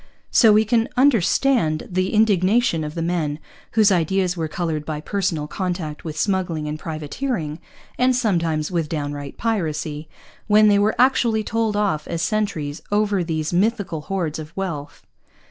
So we can understand the indignation of men whose ideas were coloured by personal contact with smuggling and privateering, and sometimes with downright piracy, when they were actually told off as sentries over these mythical hoards of wealth.